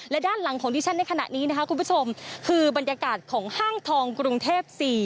และด้านหลังของดิฉันในขณะนี้นะคะคุณผู้ชมคือบรรยากาศของห้างทองกรุงเทพ๔